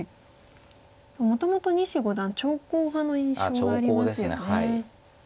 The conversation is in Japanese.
もともと西五段長考派の印象がありますよね。